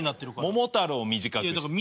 「桃太郎」を短くして。